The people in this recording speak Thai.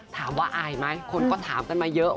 ถามว่าอายไหมคนก็ถามกันมาเยอะ